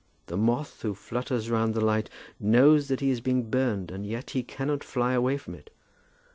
The moth who flutters round the light knows that he is being burned, and yet he cannot fly away from it.